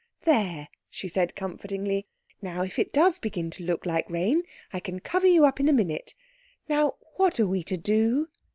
"There," she said comfortingly. "Now if it does begin to look like rain, I can cover you up in a minute. Now what are we to do?"